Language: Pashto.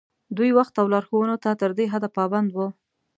دوی وخت او لارښوونو ته تر دې حده پابند وو.